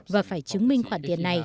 và phải chứng minh khoản tiền này